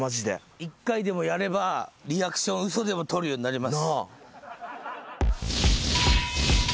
１回でもやればリアクション嘘でも取るようになります。